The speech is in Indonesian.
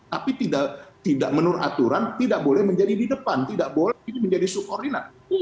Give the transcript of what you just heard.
tapi tidak menurut aturan tidak boleh menjadi di depan tidak boleh ini menjadi subordinat